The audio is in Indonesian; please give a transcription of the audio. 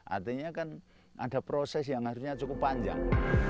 artinya kan ada proses yang harusnya cukup panjang